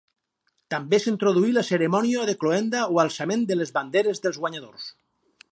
També s'introduí la cerimònia de cloenda o l'alçament de les banderes dels guanyadors.